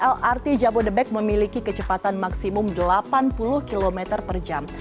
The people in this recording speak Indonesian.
lrt jabodebek memiliki kecepatan maksimum delapan puluh km per jam